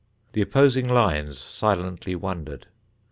The opposing lines silently wondered.